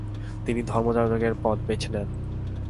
তিনি ধর্মযাজকের পথ বেছে নেন।